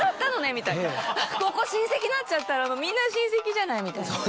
ここ親戚になっちゃったらみんな親戚じゃないみたいな。